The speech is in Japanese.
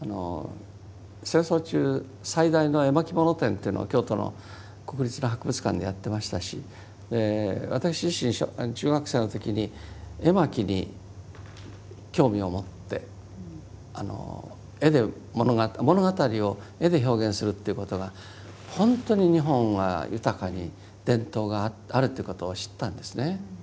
戦争中最大の絵巻物展というのが京都の国立の博物館でやってましたし私自身中学生の時に絵巻に興味を持って物語を絵で表現するっていうことがほんとに日本は豊かに伝統があるということを知ったんですね。